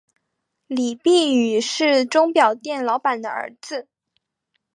李弼雨是钟表店老板的儿子。